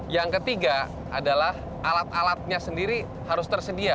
yang ketiga adalah alat alatnya sendiri harus tersedia